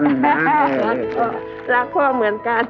รักพ่อเหมือนกัน